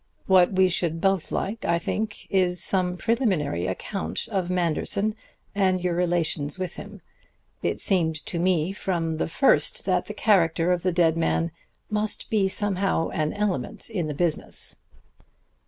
What we should both like, I think, is some preliminary account of Manderson and your relations with him. It seemed to me from the first that the character of the dead man must be somehow an element in the business."